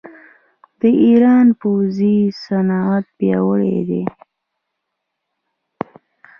د ایران پوځي صنعت پیاوړی دی.